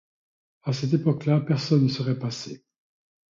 À cette époque-là, personne ne serait passé.